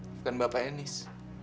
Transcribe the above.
maafkan bapak enis